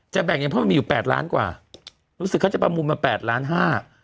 แบ่งยังเพราะมันมีอยู่แปดล้านกว่ารู้สึกเขาจะประมูลมาแปดล้านห้า